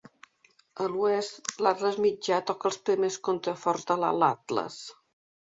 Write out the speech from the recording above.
A l'oest, l'Atles Mitjà toca els primers contraforts de l'Alt Atles.